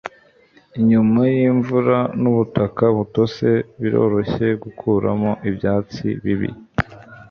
nyuma yimvura nubutaka butose, biroroshye gukuramo ibyatsi bibi